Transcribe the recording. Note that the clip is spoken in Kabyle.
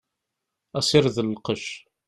Asired n lqec.